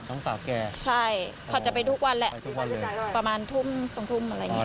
น้องสาวแกใช่เขาจะไปทุกวันแหละทุกวันประมาณทุ่มสองทุ่มอะไรอย่างเงี้